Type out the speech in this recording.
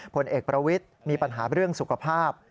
ผลเอกประวิทย์มีปัญหาเรื่องสุขภาพ